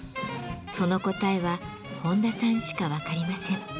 その答えは本多さんしか分かりません。